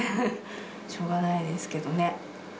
しょうがないですけどね。